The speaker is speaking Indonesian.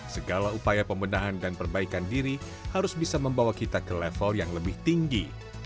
segala upaya pembenahan dan perbaikan diri harus bisa membawa kita ke level yang lebih tinggi